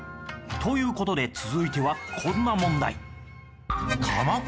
という事で続いてはこんな問題。